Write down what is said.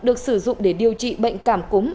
được sử dụng để điều trị bệnh cảm cúng